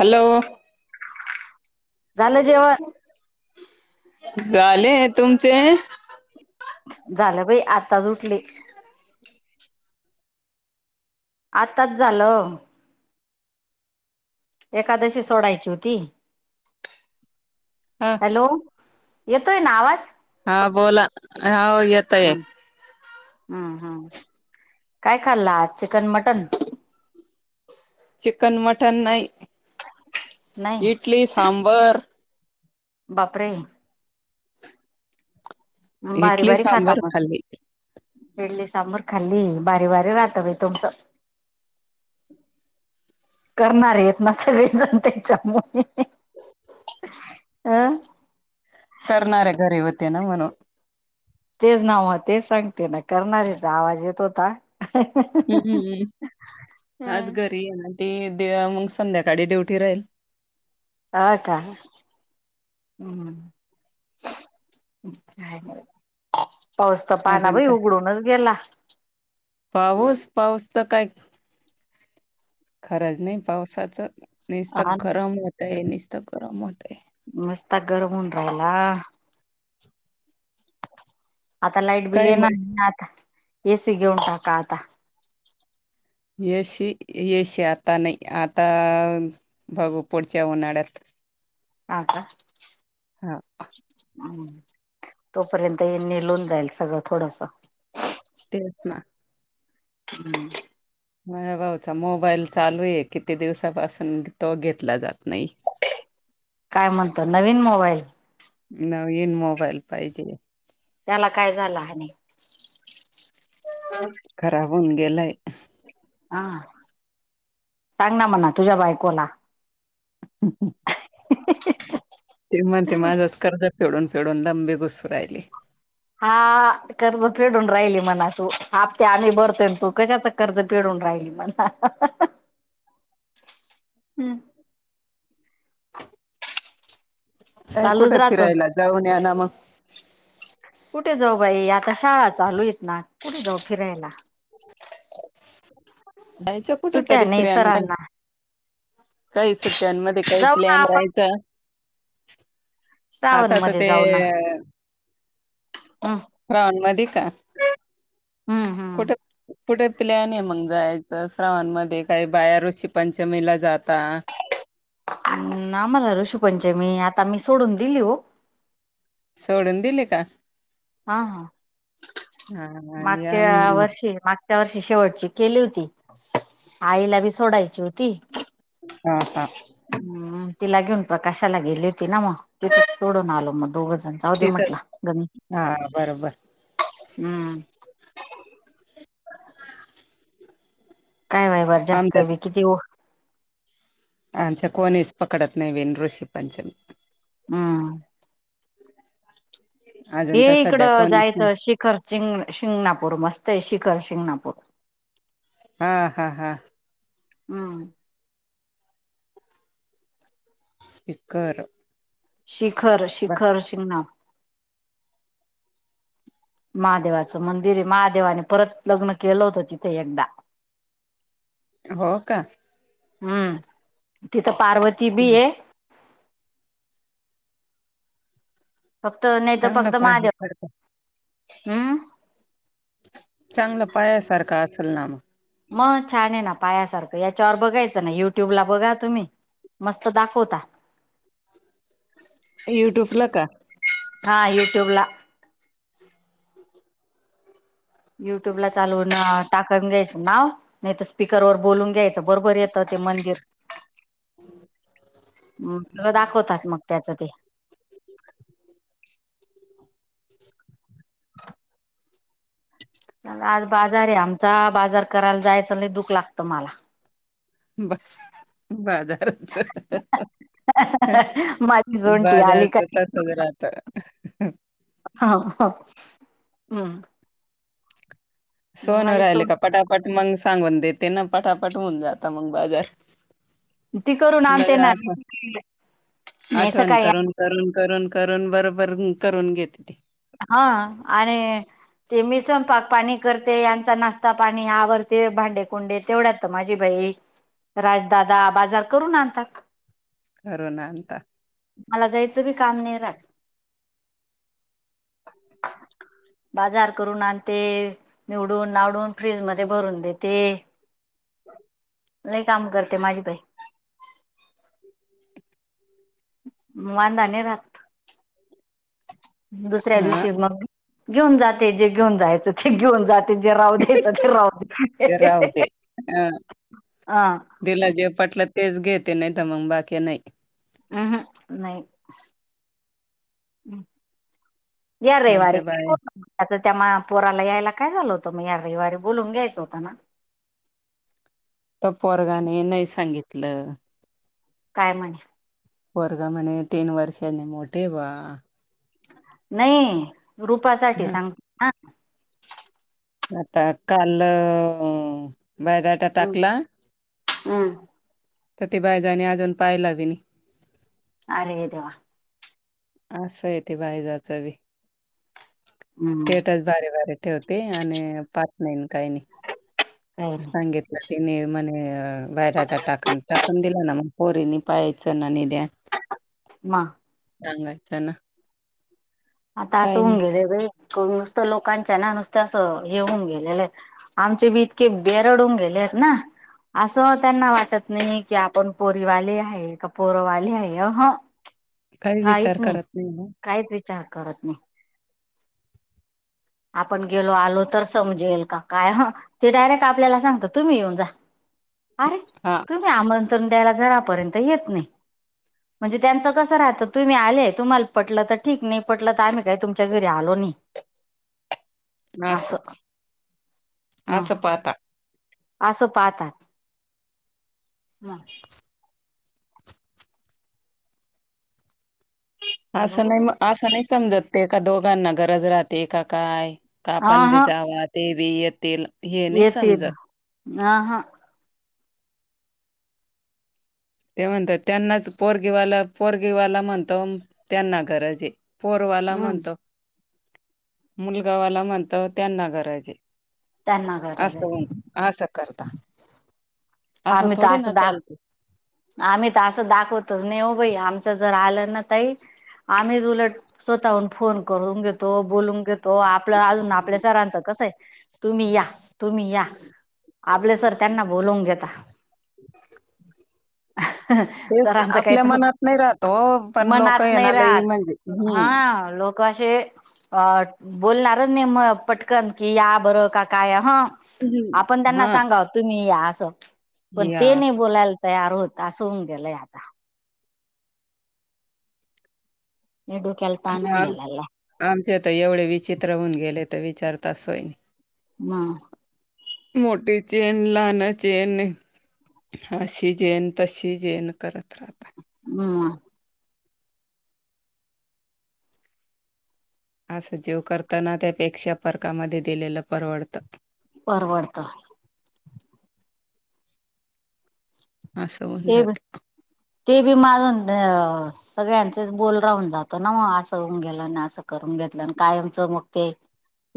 Hello. झालं जेवण झाले तुमचे? झालं बाई आताच उठली. आताच झालं. एकादशी सोडायची होती. हा हॅलो येतोय ना आवाज? हा बोला आवाज येताय. हां हां काय खाल्ला आज चिकन मटन? चिकन मटन नाही नाही इटली सांबर बापरे! बारी इडली बारी खाता सांबर मग. खाल्ली इटली सांबर खाल्ली बारी बारी वाटत आहे तुमचं. करणार आहेत ना सगळेजण त्यांच्यामुळे. आ करणार आहे घरी होते ना म्हणून. तेच नावा तेच सांगते ना करणाऱ्याचा आवाज येत होता. हम्म. ते आहे ना ते देव्या मंग संध्याकाळी ड्युटी राहील. आ का हम्म हम्म काय करत? पाऊस तर पाना अजून बाई काय उघडूनच गेला. पाऊस पाऊस तर काय खरंच नाही पावसाचं. निस्ता हा गरम होतय निस्ता गरम होतय. मस्त गरम हुन राहिला. आता लाईट बिल काय येणार मग नाही आता ए सी घेऊन टाका आता. एसी एसी आता नाही आता भागव पडच्या उन्हाळ्यात आ का हा तोपर्यंत हे निलून जाईल सगळं थोडसं. तेच ना. हम्म. माझा भाऊचा मोबाईल चालू आहे किती दिवसापासून तो घेतला जात नाही. काय म्हणतो नवीन मोबाईल नवीन मोबाईल पाहिजे. त्याला काय झा लहान आहे. खराब होऊन गेलाय. आं सांग ना म्हणा तुझ्या बायकोला. [unintelligible] ते म्हणते माझंच कर्जा तेडून फेडून लंबे घुसू राहिली. हा कर्ज फेडून राहिली मना तू आपते आम्ही बरतोय तू कशाचा कर्ज पिडून राहिली [unintelligible] हम्म. काही चालूच कुठे राहतो फिरायला जाऊन या ना मग. कुठे जाऊ बाई आता शाळा चालू आहेत ना कुठे जाऊ फिरायला. जायचं कुठ सुट्ट्या तरी नाही फेरयान काय? सरांना काही सुट्टयांमध्ये काही जाऊ ना प्लॅन आपण रायतं. श्रावण आता तर मध्ये ते जाऊ ह. राऊंड मध्ये का? हम्म कुठं? कुठे प्लॅन आहे मंग जायचं श्रावण मध्ये काय बाया ऋषी पंचमीला जाता? उम्म आम्हाला ऋषीपंचमी आता मी सोडून दिली हो. सोडून दिले का? हा हा हा आणि मागच्या आम- वर्षी मागच्या च्या वर्षी शेवटची केली होती आईला बी सोडायची होती. हा. हा. हम्म तिला घेऊन प्रकाशाला गेली होती ना, मग तिथे सोडून आलो मग दोघं जण. जाऊ दे तिथं म्हटलं ग मी हा बरोबर हम्म. [unintelligible] काय माई बा जास्त आमच्यात की किती वो. आमच्या कोणीच पकडत नाही ऋषी पंचमी. हा. अजून तर ये सध्या इकडं कोणीच नाही जायचं शिखर शिंग- शिंगणापूर मस्त आहे शिखर शिंगणापूर. हा हा हा. हंम्म. स्पिकर. शिखर शिखर शिंगणा महादेवाचं मंदिर आहे महादेवाने परत लग्न केलं होतं तिथे एकदा. [inaudible] [unintelligible] हो का? हम्म तिथं पार्वती बी आहे. फक्त नाही तर चांगलं फक्त माझव पाहण्यासारखं हम्म. चांगलं पाहायसारखं असल ना मग. मग छान आहे ना पाहायसारखं, याच्यावर बघायचं ना युट्युब ला बघा तुम्ही. मस्त दाखवता. युट्यूब ला का? हा युट्यूबला. युट्यूब ला चालवून. टाकाून घ्यायचं नाव नाही, तर स्पीकरवरर बोलून घ्यायचं बरोबर येतं ते मंदिर. [unintelligible] दाखवतात मग त्याचं ते. आज बाजार आहे आमचा, बाजार करायला जायचं नाही दुख लागत मला. बा बाजारच. माझी जोंटी आली बाजार काय त्यातच राहतं. हा. हो. हंम्म. सोनू माझी राहिले सोन का पटापट मग सांगून देते ना, पटापट होऊन जात मग बाजार. ती करून आणते लगे ना, आठवण मी आठवण सकाळी आ करून करून करून करून बरोबर करून घेते ती. हा आणि ते मी स्वयंपाक पाणी करते यांचा नाश्ता पाणी आवरते भांडेकुंडे. तेवढ्यात तर माझी बाई राजदादा बाजार करून आणतात. घरून आणता. मला जायचं बी काम नाही राहत. [inaudible] बाजार करून आणते निवडून, नावडून फ्रीज मध्ये भरून देते. लयी काम करते माझी बाई [inaudible] वांदा नाही राहत दुसऱ्या हा दिवशी मग घेऊन जाते जे घेऊन जायचं ते घेऊन जात ते जे राहू दे, ते राहू ते दे राहू दे. हां, हा. तिला जे पटलं तेच घेते नाही तर मग बाकी नाही. आ हं. नाही. यार रवीवारी. आमच्या बाया त्याच त्यामा पोराला यायला काय झालं होतं? मग या र रविवार बोलून घ्यायचं होतं मग. तर पोरगाने नाही सांगितलं. काय म्हणे? पोरगा म्हणे तीन वर्षने मोठे वा. नाही रूपासाठी हां, सांग ह आता काल हं बायोडाटा टाकला, हम्म तर ते बाय जाणी अजून पाहिल ही नई. अरे देेवा. असं येते बाई जाचं बी, हम्म तेटच. भारे वारे ठेवते आणि पात नाहीन काही नाही. काही नाही सांगितलं तिने मणे बाहेर टाक टाकून दिला ना मग. पोर नि पाययचं ना नीद्या. म चांगाच हे ना. आता असं काही नाही, होऊन गेले नुसतं, लोकांच्या ना नुसत असं हे होऊन गेलेलं आहे. आमचे बी इतके बेरडून गेले आहेत ना. असं त्यांना वाटत नाही की, आपण पोरीवाले आहे का पोरवाले आहे अहं. काही विचार काहीच नाही करत मग. काहीच विचार करत नाही. आपण गेलो आलो तर समजेल का काय, ह ते डायरेक्ट आपल्याला सांगत तुम्ही येऊन जा. अरे कस हां, य तुम्ही आमंत्रण द्यायला घरापर्यंत येत नाही. म्हणजे त्यांचं कसं राहतं तुम्ही आले तुम्हाला पटलं तर ठीक, नाही पटलं तर आम्ही काय तू च्या घर आलो नई. असं असं मग पळता. असं पाहतात म. असं बघू नाही ह मग, असं नाही समजत ते एका दोघांना गरज राहते का काय? कापण भिजावा ते व येतील. हे नाही येेतल समजत. ह हा. ते म्हणतात त्यांनाच पोरगीवाला पोरगीवाला म्हणतो, त्यांना गरज आहे. पोरवाला हम्म म्हणत मुल गावाला म्हणतो त्यांना गरज ये. त्यांना गरज असत आहे बाई अस का करता. असं आम्ही तर थोडे ना दाख चालतो. आम्ही तर असं दाखवतच नाही हो बाई, आमचं जर आलं ना तही आम्हीज उलट स्वतःहून फोन करून घेतो, बोलून घेतो आपलं अजून आपल्या सरांचं कसं आहे? तुम्ही या तुम्ही या आपले सर त्यांना बोलवून घेता. तेच सरांच काही आपल्या तर मनात नाही राहत ओ, पण लोकं मनात आहे नाही ना लई म्हणजे राहत हं, हा लोक तो असे अ बोलणारच नाही म पटकन की या बरं काका या ह. आपण हं. त्यांना हां, सांगावत तुम्ही या असं, पण हे ते नाही असं. बोलायला तयार होत, अस होऊन गेलय आता. मी डोक्याल आमचे तर एवढे विचित्र होऊन गेले तर विचारत असोय. मग. मोठी चेन लहाना चेन हे. हा अशी जेन तशी जेन करत राहता. हम्म. असं जीव करताना त्यापेक्षा पर्कामध्ये दिलेलं परवडतं. परवडतं. ह अस होून ते जात. कच ते बी मारून दे. सगळ्यांचेच बोल राहून जातो ना मग, असं होऊन गेलं ना असं करून घेतलं आणि कायमचं मग ते.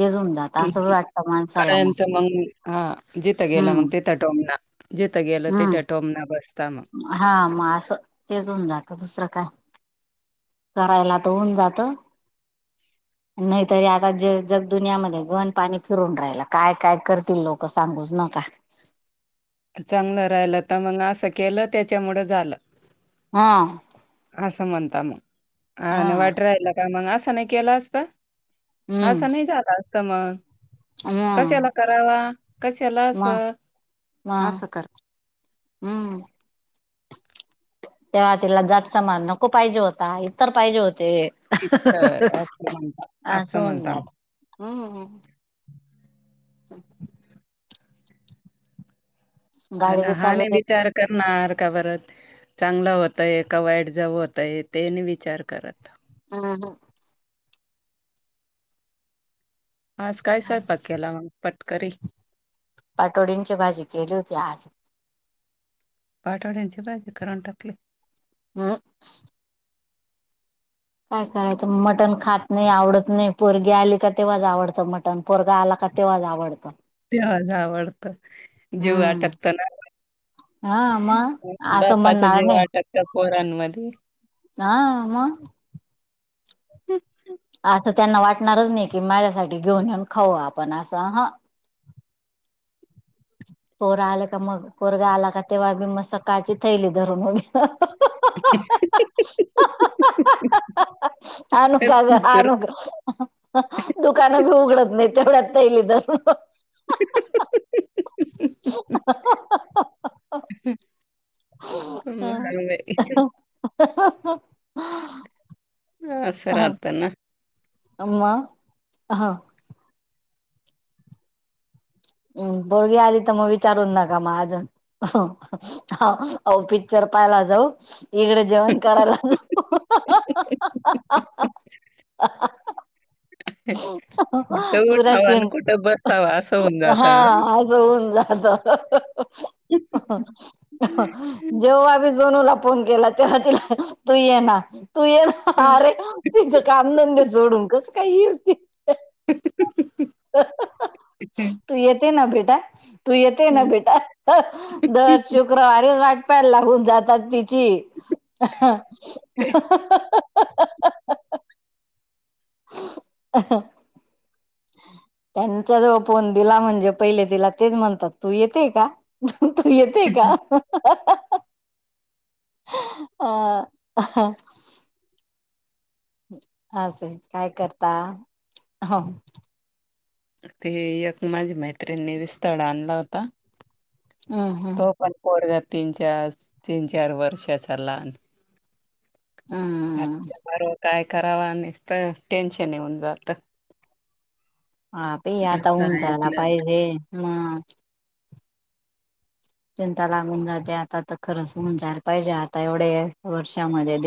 येजून जात. ह असं ह वाटतं माणसाला मग कायचचा [unintelligible] हा जिथं गेलं मग हम्म तिथं टोमन, जिथं गेलं तिथं हम्म टोमन बसत मग. हा मग असं, तेच होऊन जात दुसरं काय. करायला तर होऊन जातं. नाही तरी आता ज जगदुनियामध्ये गहन पाणी फिरून राहिलं, काय काय करतील लोक. सांगूच नका. चांगलं राहिलं तर मग असं, केलं तेच्या मुळं झालं. हा. असं म्हणता मग हा आणि वाट राहिल का मग असं नाही केलं असत? हम्म असं नाही झालं असत मग, हम्म कशाला करावा कशाला असं? हा असं कर हम्म. तेव्हा तिला जात समान नको पाहिजे होता, इतर पाहिजे होते. तर असं म्हणतात असं होऊन म्हणतात जात. हम्म हम्म. गाडी बी हा चालू ने दे विचार करणार का परत. चांगलं होतंय काय वाईट जावं होतंय, ते नाही विचार करत. अहं.. आज काय स्वयंपाक केला, मग पाटकरी. पाटोडींची भाजी केली होती आज. पाठवड्यांची भाजी करून टाकले. हम्म. काय खायचं मटन खात नाही आवडत नाही, पोरगी आली का तेव्हाच आवडतं मटन. पण पोरगा आला का, तेव्हांच आवडतं. तेला आवडत जीव हम्म अटकत ना. हा मग असं बापाच म्हणणार जीव नाही अटकत पोरांमध्ये. हा मंग. असं त्यांना वाटणारच नाही की, माझ्यासाठी घेऊन येऊन खाऊ आपण असं अह. पोरा आले का मग पोरगा आला का, तेव्हा मी मग सकाळची थैली धरून‌ उभी राहते. [inaudible] [unintelligible] तर दुकानं बी उघडत नाही, तेवढ्यात पहिली तर. [unintelligible] [unintelligible] ह कमहम बाई एख [inaudible] अ.. असं राहतं ना. अमा हं.. हम्म. पोरगी आली तर मग, विचारूनच नका मग माझं. आ हो पिक्चर पाहाला जाऊ इकडं. जेवण करायला जा. पुरा सेम. हा असं होवून. हा आज होऊन जात. जेव आभि जनूला. फोन केला तेव्हा तिला, तू ये ना तू ये ना हां. अरे. तिच कामधंद्या सोडून कसं, काय येईल ती. हं हं हं.. [unintelligible] तू येते ना भेटाय. तू येते ना हं. बेटा दर शुक्रवारी, वाटप्याल लागून जातात ति गे, आहा आहा हा हा हा. [unintelligible] त्यांच्या जवळ फोन दिला म्हणजे, पहिले तिला तेच म्हणतात तू येतेय का. तू येते का. हां.. असं ये काय करता. हो.. ते एक माझ्या मैत्रीणने बी स्थळ आणलं होतं. हम् हम्.. पण पोरगा तीन चार, तीन चार वर्षाचा लहान. हम्म.. बरं काय करावा आणि निस्त, टेन्शन येऊन जात. हा पे आता असं होऊन जायला, ऐकलं पाहिजे मग. चिंता लागून जाते. आता तर खरंच होऊन जायला पाहिजे, आता एवढे वर्षामध्ये.